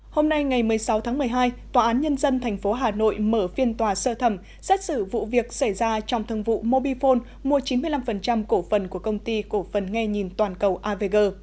hôm nay ngày một mươi sáu tháng một mươi hai tòa án nhân dân tp hà nội mở phiên tòa sơ thẩm xét xử vụ việc xảy ra trong thân vụ mobifone mua chín mươi năm cổ phần của công ty cổ phần nghe nhìn toàn cầu avg